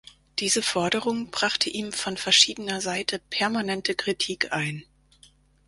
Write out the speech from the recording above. Diese Forderung brachte ihm von verschiedener Seite permanente Kritik ein.